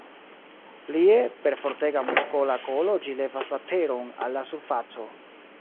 Plie, per fortega muskola kolo ĝi levas la teron al la surfaco.